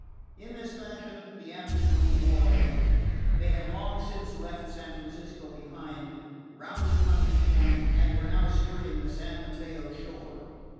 In this fashion the afternoon wore away. They had long since left San Francisco behind, rounded Hunter's Point, and were now skirting the San Mateo shore.